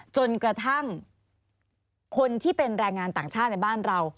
จนกระทั่งคนที่เป็นแรงงานต่างชาติในบ้านเรา